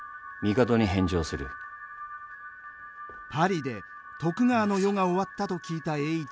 パリで徳川の世が終わったと聞いた栄一。